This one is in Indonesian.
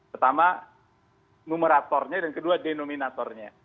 pertama numeratornya dan kedua denominatornya